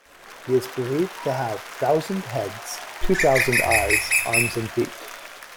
He is believed to have thousand heads, two thousand eyes, arms and feet.